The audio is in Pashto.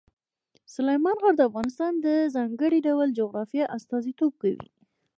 سلیمان غر د افغانستان د ځانګړي ډول جغرافیه استازیتوب کوي.